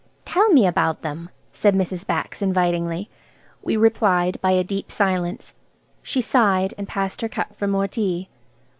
"Tell me about them," said Mrs. Bax invitingly. We replied by a deep silence. She sighed, and passed her cup for more tea.